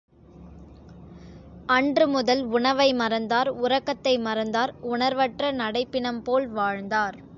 அன்று முதல் உணவை மறந்தார் உறக்கத்தை மறத்தார் உணர்வற்ற நடைப் பிணம்போல வாழ்ந்தார்!